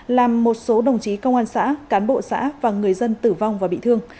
làm một số đồng chí công an xã cán bộ xã và người dân tử vong và bị thương